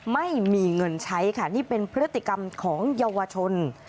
ไม่มีเงินใช้ค่ะนี่เป็นพฤติกรรมของเยาวชน